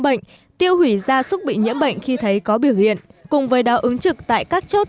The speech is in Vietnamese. bệnh tiêu hủy gia súc bị nhiễm bệnh khi thấy có biểu hiện cùng với đó ứng trực tại các chốt